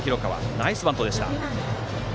ナイスバントでした。